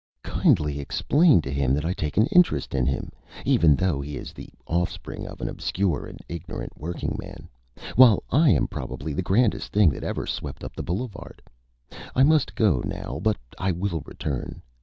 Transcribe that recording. "Kindly explain to him that I take an Interest in him, even though he is the Offspring of an Obscure and Ignorant Workingman, while I am probably the Grandest Thing that ever Swept up the Boulevard. I must go now, but I will Return.